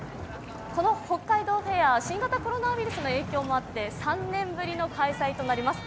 この北海道フェア、新型コロナの影響もあって３年ぶりの開催となります。